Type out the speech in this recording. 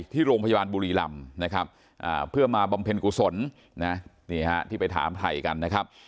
ที่โรงพยาบาลบุรีรำเพื่อมาบำเพ็ญกุศลที่ไปถามไทยกันนะครับ